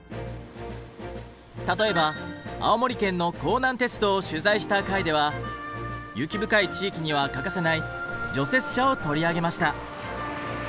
例えば青森県の弘南鉄道を取材した回では雪深い地域には欠かせない除雪車を取り上げました。